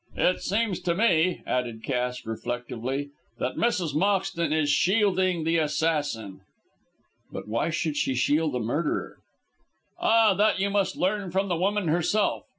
It seems to me," added Cass, reflectively, "that Mrs. Moxton is shielding the assassin." "But why should she shield a murderer?" "Ah, that you must learn from the woman herself.